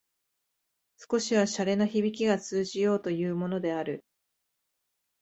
少しは洒落のひびきが通じようというものである